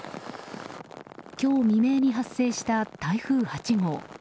今日未明に発生した台風８号。